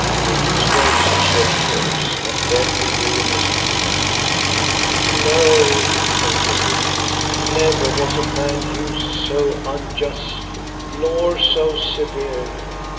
With these words he shed tears, and then renewing his complaint; "No," continued he, "never was a man used so unjustly, nor so severely.